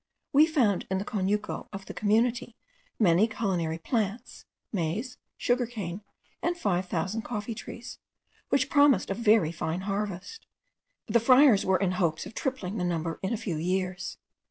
We found in the conuco of the community many culinary plants, maize, sugar cane, and five thousand coffee trees, which promised a fine harvest. The friars were in hopes of tripling the number in a few years.